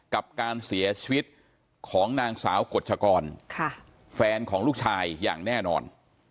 กับการเสียชีวิตของนางสาวกฎชกรแฟนของลูกชายอย่างแน่นอน